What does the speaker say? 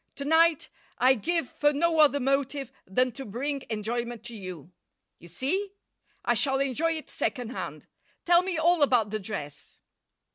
To night I give for no other motive than to bring enjoyment to you. You see? I shall enjoy it second hand. Tell me all about the dress."